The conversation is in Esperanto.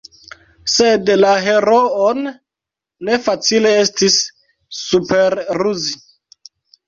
Sed la heroon ne facile estis superruzi.